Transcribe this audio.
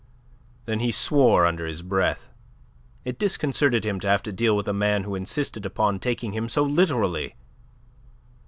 Then he swore under his breath. It disconcerted him to have to deal with a man who insisted upon taking him so literally.